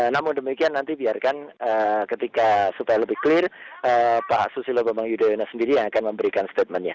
namun demikian nanti biarkan ketika supaya lebih clear pak susilo bambang yudhoyono sendiri yang akan memberikan statementnya